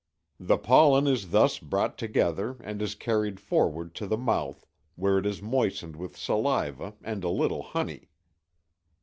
The pollen is thus brought together and is carried forward to the mouth, where it is moistened with saliva and a little honey.